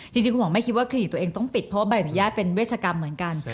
จริงคุณหมอไม่คิดว่าคลินิกตัวเองต้องปิดเพราะใบอนุญาตเป็นเวชกรรมเหมือนกัน